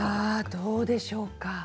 どうでしょうか。